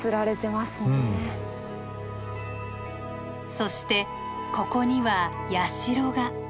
そしてここには社が。